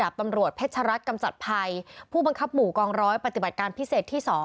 ตำรวจเพชรัตนกำจัดภัยผู้บังคับหมู่กองร้อยปฏิบัติการพิเศษที่๒